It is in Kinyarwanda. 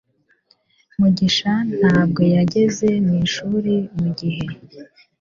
mugisha ntabwo yageze mwishuri mugihe